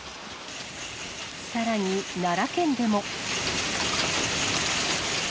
さらに奈良県でも。